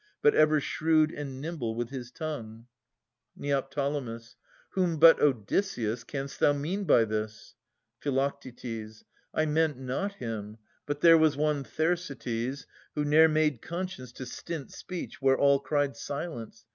But ever shrewd and nimble with his tongue. Neo. Whom but Odysseus canst thou mean by this? Phi. I meant not him. But there was one Thersites, Who ne'er made conscience to stint speech, where all Cried 'Silence!'